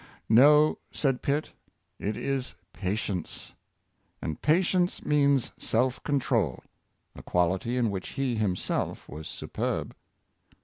" No," said Pitt, it is '^ patience! " And patience means self control, a quality in which he himself was superb.